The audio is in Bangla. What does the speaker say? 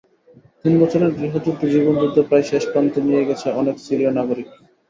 তিন বছরের গৃহযুদ্ধ জীবনযুদ্ধে প্রায় শেষ প্রান্তে নিয়ে গেছে অনেক সিরীয় নাগরিককে।